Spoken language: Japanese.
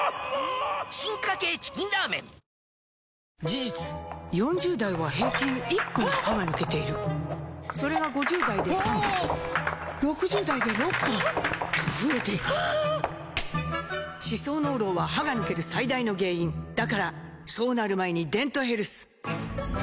事実４０代は平均１本歯が抜けているそれが５０代で３本６０代で６本と増えていく歯槽膿漏は歯が抜ける最大の原因だからそうなる前に「デントヘルス」ライオン史上最大濃度の薬用成分配合